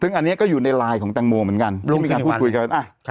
ซึ่งอันนี้ก็อยู่ในลายของตังโมเหมือนกันมีการพูดคุยกันอ่ะครับ